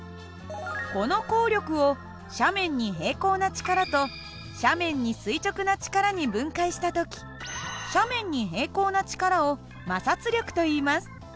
この抗力を斜面に平行な力と斜面に垂直な力に分解した時斜面に平行な力を摩擦力といいます。